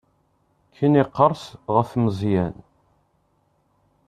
Ken iqerres ɣef Meẓyan.